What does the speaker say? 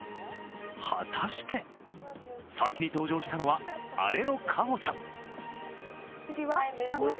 果たして先に登場したのは姉の香歩ちゃん。